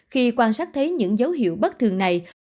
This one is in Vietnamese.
khi quan sát thấy những dấu hiệu bất thường này